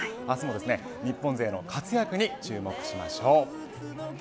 明日も日本勢の活躍に注目しましょう。